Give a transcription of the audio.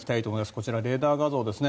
こちら、レーダー画像ですね。